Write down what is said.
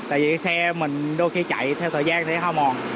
tại vì xe mình đôi khi chạy theo thời gian thì hoa mòn